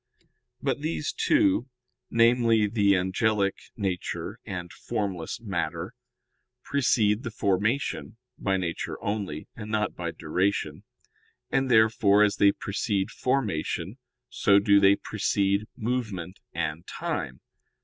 But these two, namely, the angelic nature and formless matter, precede the formation, by nature only, and not by duration; and therefore, as they precede formation, so do they precede movement and time.